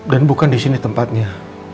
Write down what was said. dan bukan di sini tempatnya